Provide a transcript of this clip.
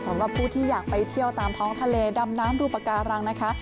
สำหรับผู้ที่อยากไปเที่ยวตามท้องทะเลดำน้ำดูปากการังนะคะ